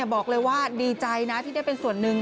บอกเลยว่าดีใจนะที่ได้เป็นส่วนหนึ่ง